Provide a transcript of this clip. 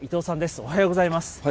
おはようございます。